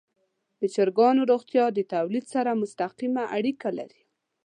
د چرګانو روغتیا د تولید سره مستقیمه اړیکه لري.